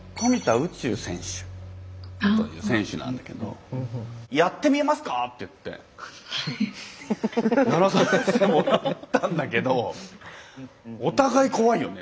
宇宙選手という選手なんだけど「やってみますか？」っていってやらせてもらったんだけどお互い怖いよね